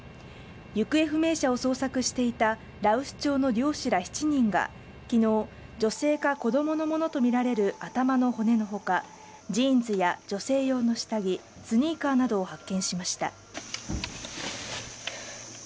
行方不明者を捜索していた羅臼町の漁師ら７人がきのう、女性か子どものものと見られる頭の骨のほか、ジーンズや女性用の下着、スニーカーなどを発見しました。